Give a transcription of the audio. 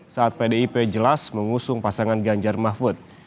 saat pdip jelas mengusung pasangan ganjar mahfud